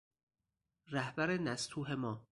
رهبرنستوه ما